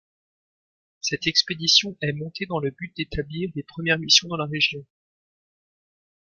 Cette expédition est montée dans le but d'établir les premières missions dans la région.